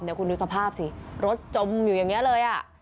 เดี๋ยวคุณดูสภาพสิรถจมอยู่อย่างนี้เลย